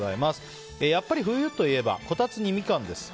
やっぱり冬といえばこたつにミカンです。